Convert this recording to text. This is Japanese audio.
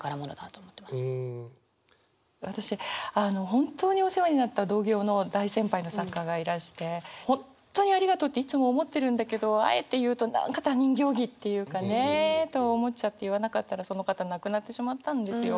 本当にお世話になった同業の大先輩の作家がいらして本当にありがとうっていつも思ってるんだけどあえて言うと何か他人行儀っていうかねと思っちゃって言わなかったらその方亡くなってしまったんですよ。